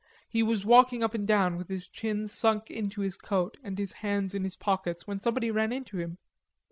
He was walking up and down with his chin sunk into his coat and his hands in his pockets, when somebody ran into him.